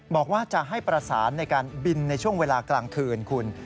บอกว่าจะให้ประสานในการบินในช่วงเวลากลางคืนคุณ